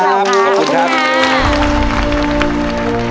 ขอบคุณมาก